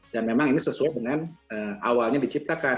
dan memang ini sesuai dengan awalnya diciptakan